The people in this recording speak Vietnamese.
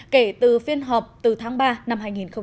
kể từ phiên họp từ tháng ba năm hai nghìn một mươi chín